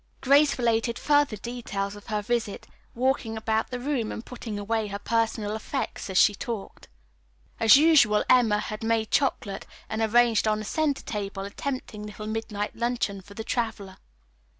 Grace related further details of her visit, walking about the room and putting away her personal effects as she talked. As usual Emma had made chocolate and arranged on the center table a tempting little midnight luncheon for the traveler.